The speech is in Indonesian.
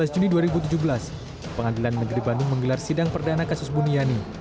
dua belas juni dua ribu tujuh belas pengadilan negeri bandung menggelar sidang perdana kasus buniani